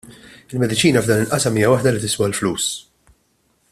Il-mediċina f'dan il-qasam hija waħda li tiswa l-flus.